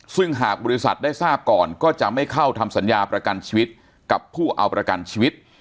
ซึ่งหากบริษัทได้ทราบก่อนก็จะไม่เข้าทำสัญญาประกันชีวิตกับผู้เอาประกันชีวิต